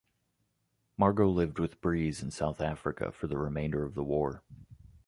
Margo lived with Breeze in South Africa for the remainder of the war.